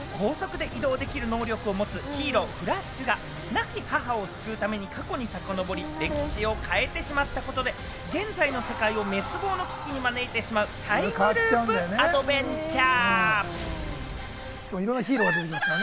映画は、光速で移動できる能力を持つヒーロー、フラッシュが、亡き母を救うために過去にさかのぼり、歴史を変えてしまったことで現在の世界を滅亡の危機に招いてしまうタイムループアドベンチャー。